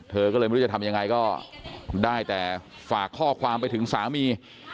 เธอก็เลยไม่รู้จะทำยังไงก็ได้แต่ฝากข้อความไปถึงสามี